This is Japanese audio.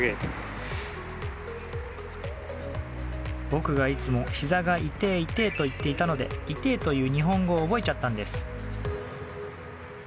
僕がいつも、ひざがイテー、イテーと言っていたので「イテー」という日本語を覚えちゃったんです。